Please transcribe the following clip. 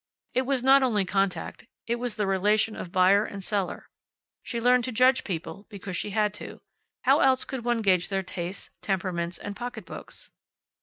It was not only contact: it was the relation of buyer and seller. She learned to judge people because she had to. How else could one gauge their tastes, temperaments, and pocketbooks?